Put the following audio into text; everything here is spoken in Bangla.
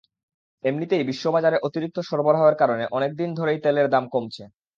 এমনিতেই বিশ্ববাজারে অতিরিক্ত সরবরাহের কারণে অনেক দিন ধরেই তেলের দাম কমছে।